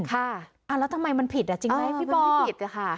แล้วทำไมมันผิดจริงไหมพี่ปอร์